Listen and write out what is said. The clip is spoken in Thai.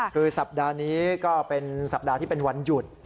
คือสัปดาห์นี้ก็เป็นสัปดาห์ที่เป็นวันหยุด